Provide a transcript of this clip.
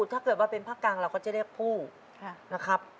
ถ้าเกิดว่าเป็นภาคกลางเราก็จะเรียกผู้นะครับ